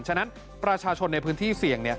ฉะนั้นประชาชนในพื้นที่เสี่ยง